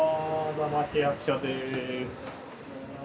座間市役所です。